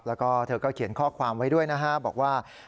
แล้วก็เธอก็เขียนข้อความไว้ด้วยนะฮะบอกว่า